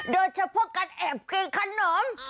โดยจะพวกกันแอบกินขนม